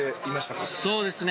そうですね。